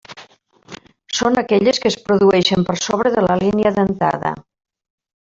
Són aquelles que es produeixen per sobre de la línia dentada.